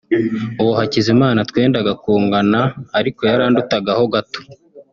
uwo Hakizimana twendaga kungana ariko yarandutaga ho gato